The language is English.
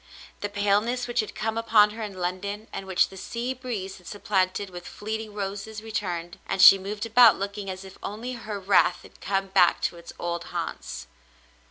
The paleness which had come upon her in London, and which the sea breeze had supplanted with fleeting roses, returned, and she moved about looking as if only her wraith had come back to its old haunts.